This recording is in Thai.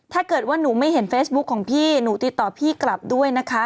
ถ้าเกิดว่าหนูไม่เห็นเฟซบุ๊คของพี่หนูติดต่อพี่กลับด้วยนะคะ